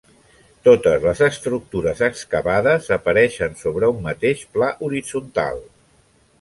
Totes les estructures excavades apareixen sobre un mateix pla horitzontal.